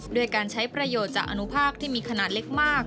ด้วยการใช้ประโยชน์จากอนุภาพที่มีขนาดเล็กมาก